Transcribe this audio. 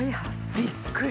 びっくり！